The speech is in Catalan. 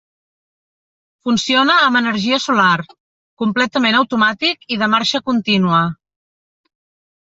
Funciona amb energia solar, completament automàtic i de marxa continua.